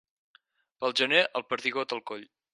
Pel gener, el perdigot al coll.